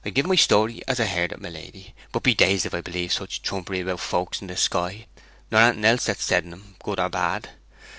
I give the story as I heard it, my lady, but be dazed if I believe in such trumpery about folks in the sky, nor anything else that's said on 'em, good or bad.